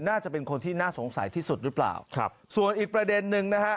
น่าจะเป็นคนที่น่าสงสัยที่สุดหรือเปล่าครับส่วนอีกประเด็นนึงนะฮะ